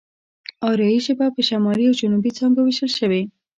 آريايي ژبه په شمالي او جنوبي څانگو وېشل شوې.